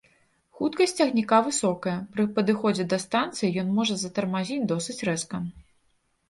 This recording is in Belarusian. Хуткасць цягніка высокая, пры падыходзе да станцыі ён можа затармазіць досыць рэзка.